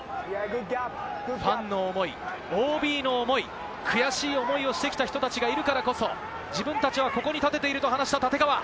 ファンの思い、ＯＢの思い、悔しい思いをしてきた人たちがいるからこそ、自分たちはここに立てていると話した立川。